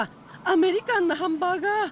アメリカンなハンバーガー。